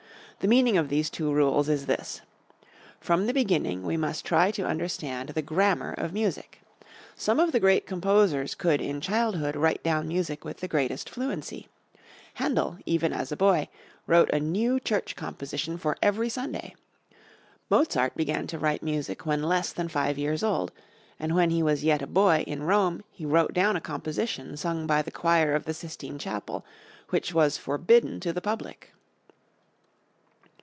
The meaning of these two rules is this: From the beginning we must try to understand the grammar of music. Some of the great composers could in childhood write down music with the greatest fluency. Handel, even as a boy, wrote a new church composition for every Sunday. Mozart began to write music when less than five years old, and when he was yet a boy, in Rome, he wrote down a composition, sung by the choir of the Sistine Chapel, which was forbidden to the public.